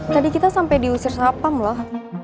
tadi kita sampe diusir sapang loh